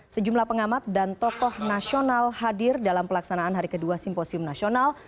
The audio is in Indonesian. sejumlah pengamat dan tokoh nasional hadir dalam pelaksanaan hari kedua simposium nasional